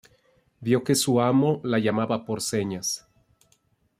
Vio que su amo la llamaba por señas.